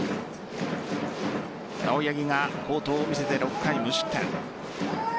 青柳が好投を見せて６回無失点。